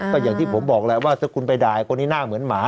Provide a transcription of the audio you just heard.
ก็อย่างที่ผมบอกแหละว่าถ้าคุณไปด่ายคนนี้หน้าเหมือนหมา